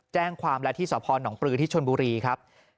แจ้งความแล้วที่สพนปลือที่ชนบุรีครับ